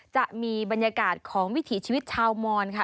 จะมีบรรยากาศของวิถีชีวิตชาวมอนค่ะ